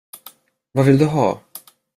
Vad vill du ha?